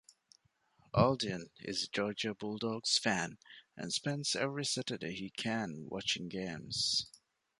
Aldean is a Georgia Bulldogs fan and spends every Saturday he can watching games.